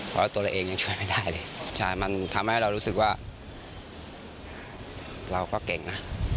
เพราะตัวเราเองยังช่วยไม่ได้เลยใช่มันทำให้เรารู้สึกว่าเราก็เก่งนะ